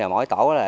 mỗi tổ là